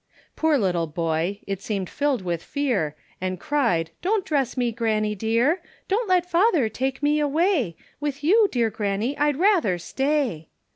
Poor little boy, it seemed filled with fear, And cried, don't dress me granny dear; Don't let father take me away, With you, dear granny, I'd rather stay.